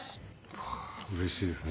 うわーうれしいですね。